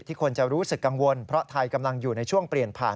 คนจะรู้สึกกังวลเพราะไทยกำลังอยู่ในช่วงเปลี่ยนผ่าน